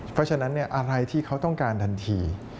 เพราะฉะนั้นอะไรที่เขาต้องการทันที